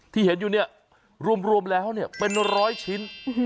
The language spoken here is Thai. ที่เห็นอยู่เนี่ยรวมแล้วเป็นร้อยชิ้น